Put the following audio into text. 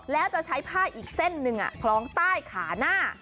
แล้วจะใช้ผ้าอีกเส้นหนึ่งคล้องใต้ขาหน้า